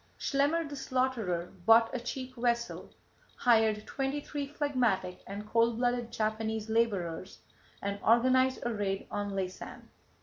Dill Schlemmer the Slaughterer bought a cheap vessel, hired twenty three phlegmatic and cold blooded Japanese laborers, and organized a raid on Laysan.